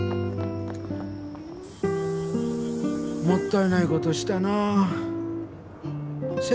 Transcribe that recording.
もったいないことしたなあ。